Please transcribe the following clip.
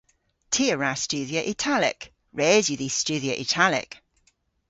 Ty a wra studhya Italek. Res yw dhis studhya Italek.